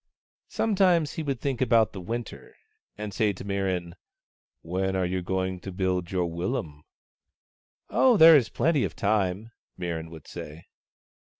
Sometimes he would think about the Winter, and say to Mirran :" When are you going to build your willum ?"" Oh, there is plenty of time," Mirran would say.